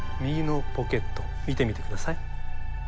右のポケット見てみてください。